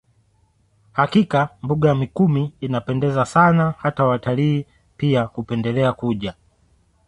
Hakika mbuga ya Mikumi inapendeza sana hata watalii pia hupendelea kuja